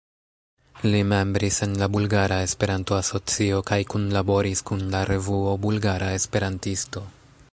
Li membris en la Bulgara Esperanto-Asocio kaj kunlaboris kun la revuo "Bulgara Esperantisto".